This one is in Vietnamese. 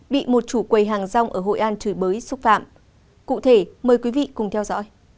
bị một chủ quầy hàng rong ở hội an chửi bới xúc phạm cụ thể mời quý vị cùng theo dõi